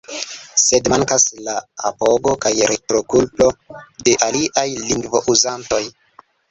Sed mankas la apogo kaj retrokuplo de aliaj lingvo-uzantoj.